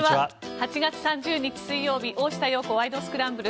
８月３０日、水曜日「大下容子ワイド！スクランブル」。